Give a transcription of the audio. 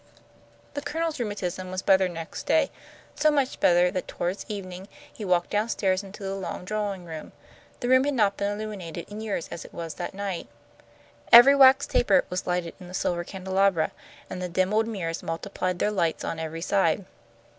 The Colonel's rheumatism was better next day; so much better that toward evening he walked down stairs into the long drawing room. The room had not been illuminated in years as it was that night. Every wax taper was lighted in the silver candelabra, and the dim old mirrors multiplied their lights on every side.